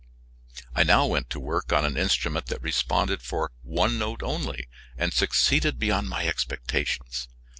I now went to work on an instrument that responded for one note only and succeeded beyond my expectations.